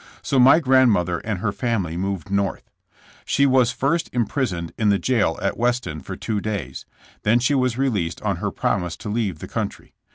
So my grandmother and her family moved North. She was first impris oned in the jail at Weston for two days. Then she was released on her promise to leave the country.